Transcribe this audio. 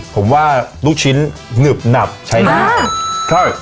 ผมว่าลูกชิ้นหนึบหนับใช่ไหมใช่